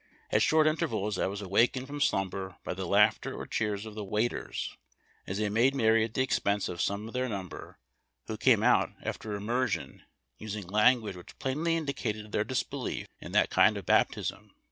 At short intervals I was awakened from slumber b}^ the laughter or cheers of the waders, as they made merry at the expense of some of their number, who came out after immersion usino language which plainly indicated their disbelief in that kind of baptism.